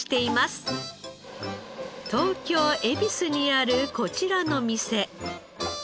東京恵比寿にあるこちらの店。